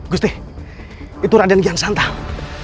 gusti itu raden kian santang